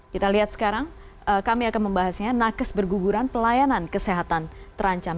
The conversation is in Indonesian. kita lihat sekarang kami akan membahasnya nakes berguguran pelayanan kesehatan terancam